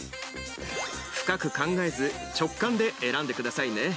深く考えず直感で選んでくださいね。